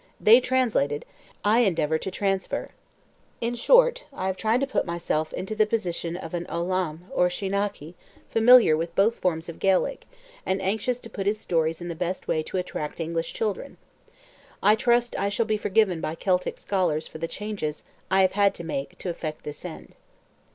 They translated; I endeavoured to transfer. In short, I have tried to put myself into the position of an ollamh or sheenachie familiar with both forms of Gaelic, and anxious to put his stories in the best way to attract English children. I trust I shall be forgiven by Celtic scholars for the changes I have had to make to effect this end.